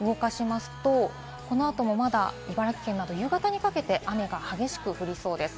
この後もまだ茨城県など、夕方にかけて雨が激しく降りそうです。